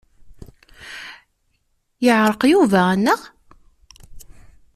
Yeɛreq Yuba anaɣ?